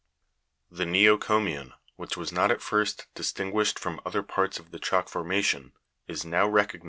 5. The neocomian, which was not at first distinguished from other parts of the chalk forma tion, is now recognized in a Fig.